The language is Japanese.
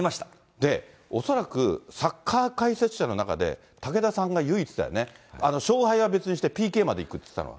で、恐らくサッカー解説者の中で、武田さんが唯一だよね、勝敗は別にして、ＰＫまでいくって言ったのは。